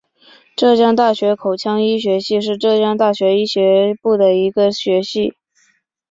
浙江大学口腔医学系是浙江大学医学部的一个学系。